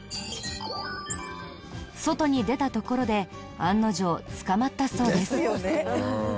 外に出たところで案の定捕まったそうです。ですよね。